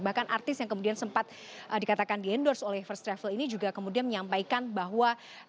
bahkan artis yang kemudian sempat dikatakan di endorse oleh first travel ini juga kemudian menyampaikan bahwa